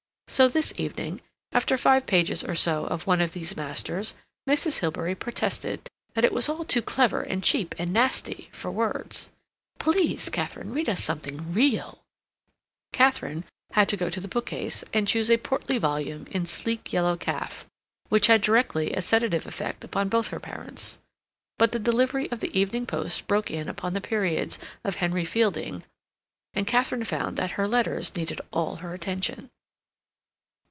So this evening, after five pages or so of one of these masters, Mrs. Hilbery protested that it was all too clever and cheap and nasty for words. "Please, Katharine, read us something real." Katharine had to go to the bookcase and choose a portly volume in sleek, yellow calf, which had directly a sedative effect upon both her parents. But the delivery of the evening post broke in upon the periods of Henry Fielding, and Katharine found that her letters needed all her attention.